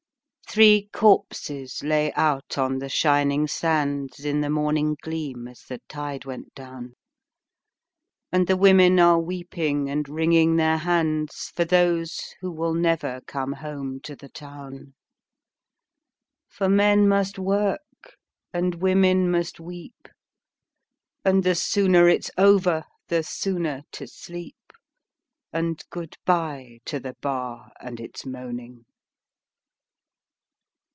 Three corpses lay out on the shining sands In the morning gleam as the tide went down, And the women are weeping and wringing their hands For those who will never come home to the town; For men must work, and women must weep, And the sooner it's over, the sooner to sleep; And good bye to the bar and its moaning.